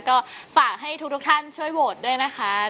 ก็ฝากให้ทุกท่านช่วยโหวตด้วยนะคะ